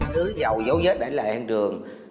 từ dầu dấu vết đã lại hiện trường